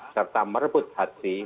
serta merebut hati